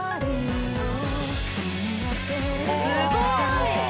すごい。